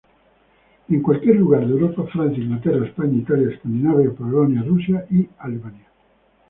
En cualquier lugar de Europa: Francia, Inglaterra, España, Italia, Escandinavia, Polonia, Rusia y Alemania.